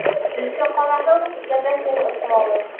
Өҫкә ҡараһаң, кәпәсең осмалы.